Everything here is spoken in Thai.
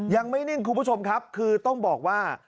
นิ่งคุณผู้ชมครับคือต้องบอกว่า